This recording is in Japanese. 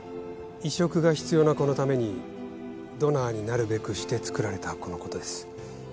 移植が必要な子のためにドナーになるべくしてつくられた子のことです。